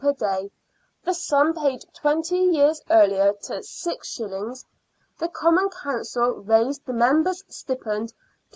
per day, the sum paid twenty years earlier, to 6s., the Common Council raised the Members' stipend to 3s.